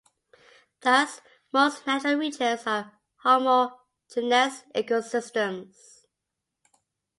Thus most natural regions are homogeneous ecosystems.